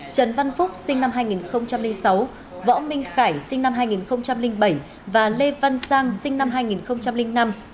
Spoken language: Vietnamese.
trần văn phúc sinh năm hai nghìn sáu võ minh khải sinh năm hai nghìn bảy và lê văn sang sinh năm hai nghìn năm